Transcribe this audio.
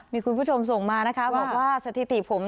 มีคุณผู้ชมส่งมานะคะบอกว่าสถิติผม